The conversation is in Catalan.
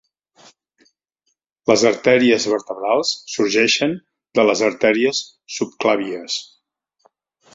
Les artèries vertebrals sorgeixen de les artèries subclàvies.